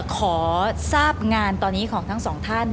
ขอทราบงานตอนนี้ของทั้งสองท่าน